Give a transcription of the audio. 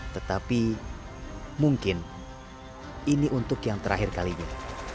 tetapi mungkin ini untuk yang terakhir kalinya